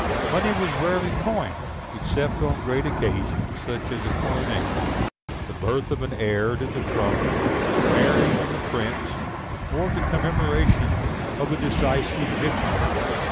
Money was rarely coined, except on great occasions, such as a coronation, the birth of an heir to the throne, the marriage of a prince, or the commemoration of a decisive victory.